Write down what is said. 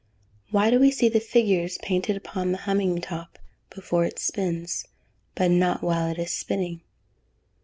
_Why do we see the figures painted upon the humming top, before it spins, but not while it is spinning?